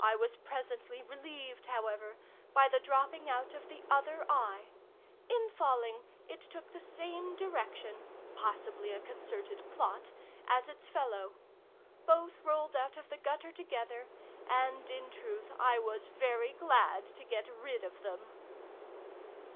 I was presently relieved, however, by the dropping out of the other eye. In falling it took the same direction (possibly a concerted plot) as its fellow. Both rolled out of the gutter together, and in truth I was very glad to get rid of them.